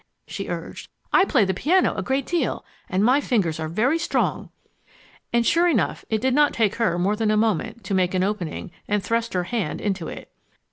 she urged. "I play the piano a great deal and my fingers are very strong." And sure enough, it did not take her more than a moment to make an opening and thrust her hand into it.